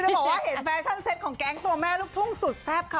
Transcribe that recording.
บอกว่าเห็นแฟชั่นเซ็ตของแก๊งตัวแม่ลูกทุ่งสุดแซ่บค่ะ